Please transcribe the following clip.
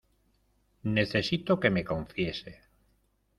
necesito que me confiese.